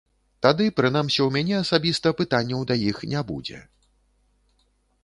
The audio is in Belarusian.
Тады прынамсі ў мяне асабіста пытанняў да іх не будзе.